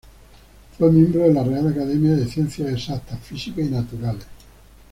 Fue miembro de la Real Academia de Ciencias Exactas, Físicas y Naturales.